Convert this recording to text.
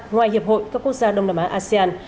ngoài hiệp hội các quốc gia đông nam á asean